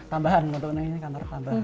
tambahan ini kamar tambahan